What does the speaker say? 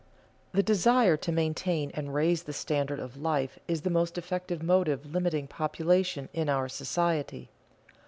_The desire to maintain and raise the standard of life is the most effective motive limiting population in our society.